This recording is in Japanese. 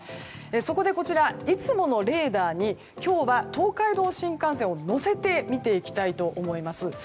そこで、いつものレーダーに今日は東海道新幹線を載せて見ていきたいと思います。